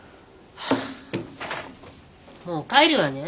もう帰るわね。